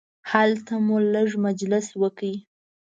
هلته مو لږ مجلس وکړ.